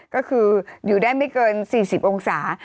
ก็คืออยู่ได้ไม่เกิน๔๐องศา